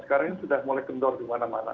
sekarang ini sudah mulai kendor di mana mana